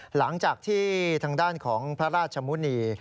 หลังจากที่ทางด้านของพระราชมุณี